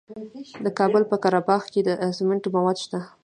د کابل په قره باغ کې د سمنټو مواد شته.